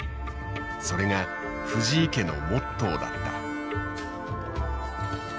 それが藤井家のモットーだった。